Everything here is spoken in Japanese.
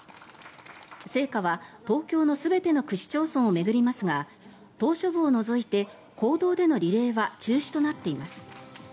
聖火は東京の全ての区市町村を巡りますが島しょ部を除いて公道でのリレーは中止となっています。